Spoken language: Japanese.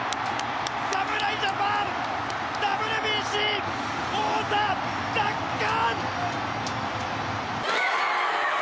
侍ジャパン、ＷＢＣ王座奪還！